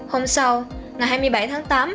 hôm sau ngày hai mươi bảy tháng tám